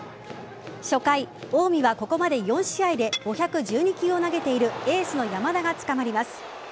初回、近江はここまで４試合で５１２球を投げているエースの山田がつかまります。